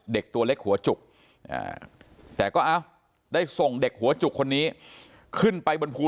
ตัวเล็กหัวจุกแต่ก็ได้ส่งเด็กหัวจุกคนนี้ขึ้นไปบนภู